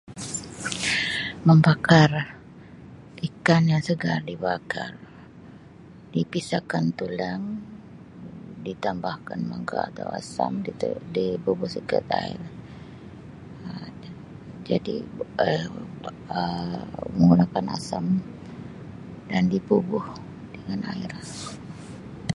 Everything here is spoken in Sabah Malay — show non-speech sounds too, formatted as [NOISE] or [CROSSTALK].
Membakar ikan yang segar dibakar dipisahkan tulang ditambahkan mangga atau asam di te dibubuh segala air Um jadi Um menggunakan asam dan dibubuh dengan air. [NOISE]